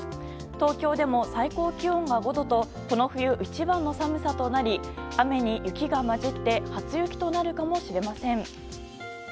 東京でも最高気温が５度とこの冬一番の寒さとなり雨に雪が交じって初雪となるかもしれません。